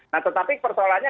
nah tetapi persoalannya